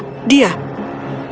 dia dia adalah makhluk yang